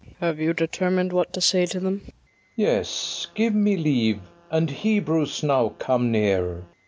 Have you determin'd what to say to them? FERNEZE. Yes; give me leave: and, Hebrews, now come near.